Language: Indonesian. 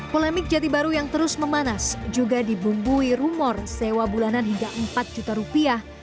polemik jati baru yang terus memanas juga dibumbui rumor sewa bulanan hingga empat juta rupiah